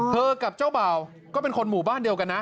กับเจ้าบ่าวก็เป็นคนหมู่บ้านเดียวกันนะ